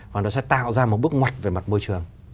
và nó sẽ tạo ra một bước ngoặt về mặt môi trường